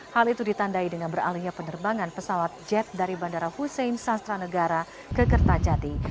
hal itu ditandai dengan beralihnya penerbangan pesawat jet dari bandara husein sastra negara ke kertajati